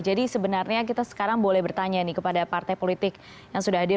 jadi sebenarnya kita sekarang boleh bertanya nih kepada partai politik yang sudah hadir